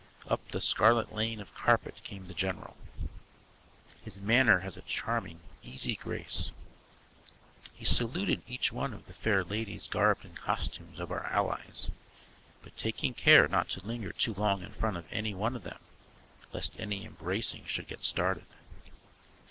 Up the scarlet lane of carpet came the general. His manner has a charming, easy grace. He saluted each one of the fair ladies garbed in costumes of our Allies, but taking care not to linger too long in front of any one of them lest any embracing should get started.